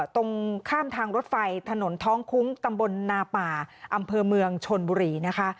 ตรงข้ามทางรถไฟถนนท้องคุ้งตำบลนาป่าอำเภอเมืองชนบุรีนะคะ